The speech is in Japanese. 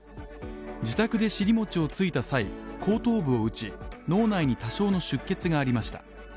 自宅で尻もちをついた際、後頭部を打ち、脳内に多少の出血がありました。